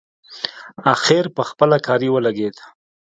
اخر پخپله کاري ولګېد.